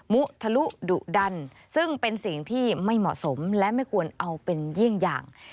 มุทะลุดุดันซึ่งเป็นสิ่งที่ไม่เหมาะสมและไม่ควรเอาเป็นเยี่ยงอย่าง